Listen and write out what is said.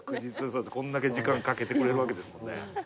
こんだけ時間かけてくれるわけですもんね。